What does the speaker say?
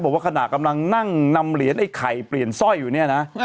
บอกว่าขณะกำลังนั่งนำเหรียญไอ้ไข่เปลี่ยนสร้อยอยู่เนี่ยนะ